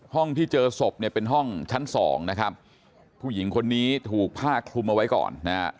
ที่เจอศพเนี่ยเป็นห้องชั้นสองนะครับผู้หญิงคนนี้ถูกผ้าคลุมเอาไว้ก่อนนะฮะ